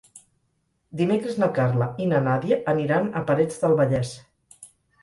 Dimecres na Carla i na Nàdia aniran a Parets del Vallès.